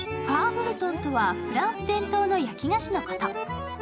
ファーブルトンとはフランス伝統の焼き菓子のこと。